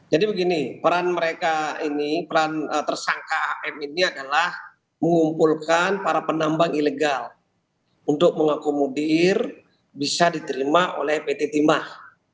jadi begini peran mereka ini peran tersangka akm ini adalah mengumpulkan para penambang ilegal untuk mengakomodir bisa diterima oleh pt timah